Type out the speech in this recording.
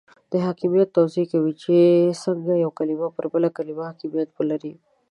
حاکمیت توضیح کوي چې څنګه یوه کلمه پر بله کلمه حاکمیت ولري.